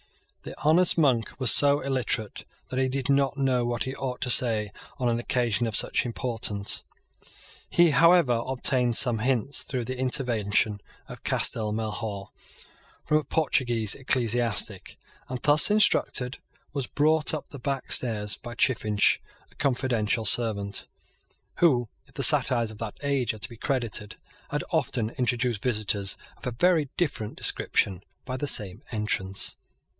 The honest monk was so illiterate that he did not know what he ought to say on an occasion of such importance. He however obtained some hints, through the intervention of Castel Melhor, from a Portuguese ecclesiastic, and, thus instructed, was brought up the back stairs by Chiffinch, a confidential servant, who, if the satires of that age are to be credited, had often introduced visitors of a very different description by the same entrance.